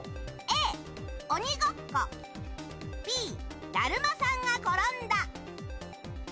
Ａ、おにごっこＢ、だるまさんが転んだ。